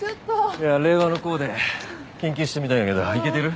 いや令和のコーデ研究してみたんだけどイケてる？